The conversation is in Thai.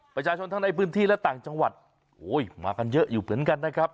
ประชาชนทั้งในพื้นที่และต่างจังหวัดโอ้ยมากันเยอะอยู่เหมือนกันนะครับ